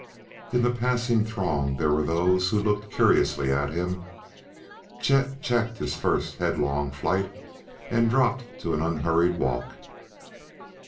In the passing throng there were those who looked curiously at him. Chet checked his first headlong flight and dropped to an unhurried walk.